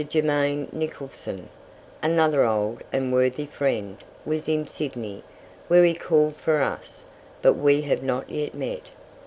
Germain Nicholson, another old and worthy friend, was in Sydney, where he called for us, but we have not yet met.